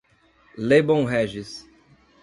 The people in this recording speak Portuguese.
Lebon Régis